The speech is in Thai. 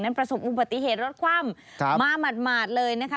นั้นผสมอุบัติเหตุรัฐความมาหมาดเลยนะคะ